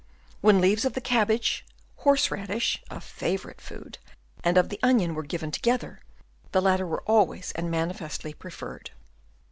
When leaves of the cabbage, horse radish (a favourite food) and of the onion were given together, the latter were always and manifestly preferred.